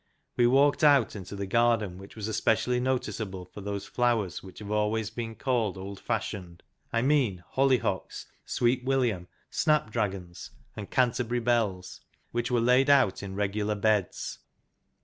We walked out into the garden, which was especially noticeable for those flowers which have always been called old fashioned I mean hollyhocks, sweet william, snap dragons, and Canterbury bells, which were laid out in regular beds.